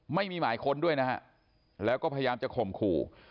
ไม่มีหมายค้นด้วยนะฮะแล้วก็พยายามจะข่มขู่